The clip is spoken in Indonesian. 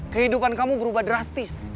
kehidupan kamu berubah drastis